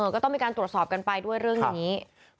ก็ต้องมีการตรวจสอบกันไปด้วยเรื่องนี้